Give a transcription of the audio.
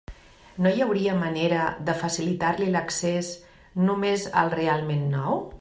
No hi hauria manera de facilitar-li l'accés només al realment nou?